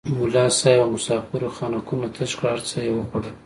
ملا صاحب او مسافرو خانکونه تش کړل هر څه یې وخوړل.